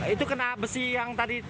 itu kena besi yang tadi